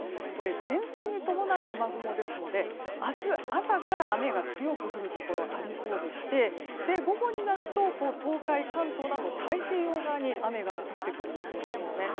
前線に伴う雨雲ですので明日、朝から雨が強く降るところありそうでして午後になると東海、関東など太平洋側に雨が移ってくる予想なんですね。